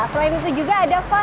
selain itu juga ada fasilitas lain